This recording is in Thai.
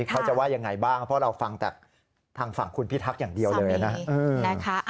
เขาจะว่ายังไงบ้างเพราะเราฟังจากทางฝั่งคุณพิทักษ์อย่างเดียวเลยนะครับ